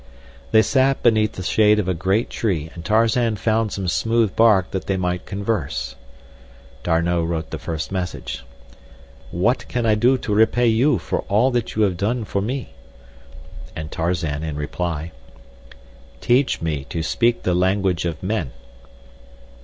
They sat beneath the shade of a great tree, and Tarzan found some smooth bark that they might converse. D'Arnot wrote the first message: What can I do to repay you for all that you have done for me? And Tarzan, in reply: Teach me to speak the language of men.